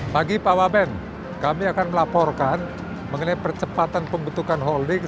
pagi pak waben kami akan melaporkan mengenai percepatan pembentukan holding